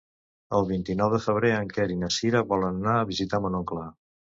El vint-i-nou de febrer en Quer i na Cira volen anar a visitar mon oncle.